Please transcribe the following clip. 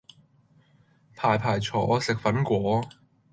排排坐，食粉果